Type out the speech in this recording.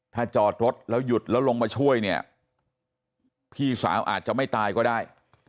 ถ้าจอดรถแล้วหยุดแล้วลงมาช่วยเนี่ยพี่สาวอาจจะไม่ตายก็ได้